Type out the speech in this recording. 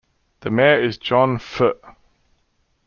The mayor is John Ph.